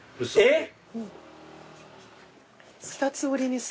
えっ？